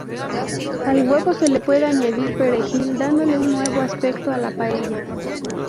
Al huevo se le puede añadir perejil dándole un nuevo aspecto a la paella.